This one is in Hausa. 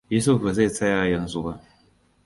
Yusuf ba zai tsaya yanzu ba.